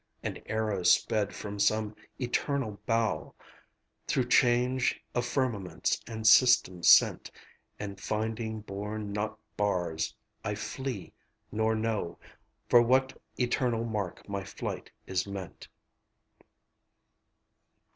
An arrow sped from some eternal bow, Through change of firmaments and systems sent, And finding bourn nor bars, I flee, nor know For what eternal mark my flight is meant.